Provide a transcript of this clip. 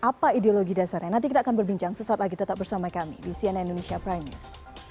apa ideologi dasarnya nanti kita akan berbincang sesaat lagi tetap bersama kami di cnn indonesia prime news